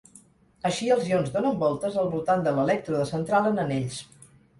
Així els ions donen voltes al voltant de l'elèctrode central en anells.